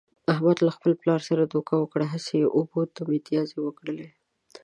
احمد له خپل پلار سره دوکه وکړه، هسې یې اوبو ته متیازې و کړلې.